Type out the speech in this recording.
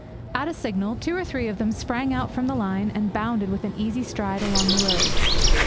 At a signal two or three of them sprang out from the line and bounded with an easy stride along the load.